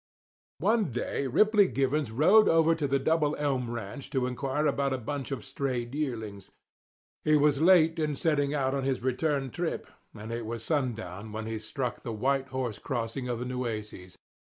One day Ripley Givens rode over to the Double Elm Ranch to inquire about a bunch of strayed yearlings. He was late in setting out on his return trip, and it was sundown when he struck the White Horse Crossing of the Nueces.